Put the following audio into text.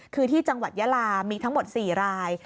คือที่จังหวัดยาลามีทั้งหมด๔ราย